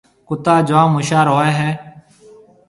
ڪُتا جوم هوشيار هوئي هيَ۔